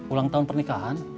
ulang tahun pernikahan